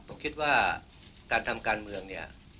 ผมคิดว่าการทำการเมืองเนี่ย